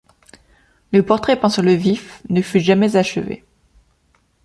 Le portrait peint sur le vif ne fut jamais achevé.